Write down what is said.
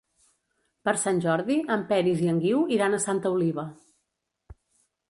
Per Sant Jordi en Peris i en Guiu iran a Santa Oliva.